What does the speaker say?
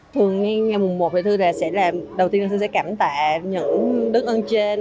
thường nghe mùng một thì thư là đầu tiên thư sẽ cảm tạ những đức ơn trên